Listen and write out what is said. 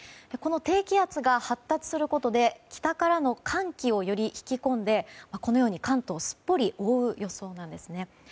この低気圧が発達することで北からの寒気をより引き込んで、関東をすっぽり覆う予想なんです。